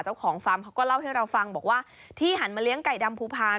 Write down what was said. ฟาร์มเขาก็เล่าให้เราฟังบอกว่าที่หันมาเลี้ยงไก่ดำภูพาล